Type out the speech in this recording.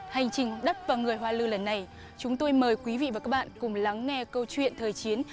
hành trình đất và người hoa lư lần này chúng tôi mời quý vị và các bạn cùng lắng nghe câu chuyện thời chiến